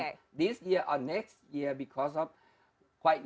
seperti tahun ini atau tahun depan karena sudah lama